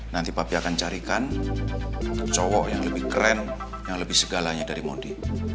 nanti papi akan carikan cowok yang lebih keren yang lebih segalanya dari mondi